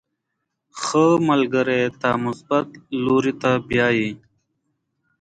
• ښه ملګری تا مثبت لوري ته بیایي.